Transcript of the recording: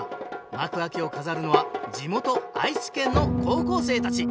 幕開きを飾るのは地元愛知県の高校生たち。